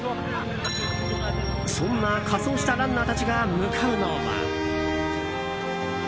そんな仮装したランナーたちが向かうのは。